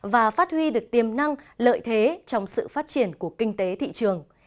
và phát huy được tiềm năng lợi thế trong sự phát triển của kinh tế thị trường